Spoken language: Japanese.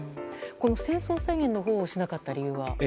戦争宣言のほうをしなかった理由は？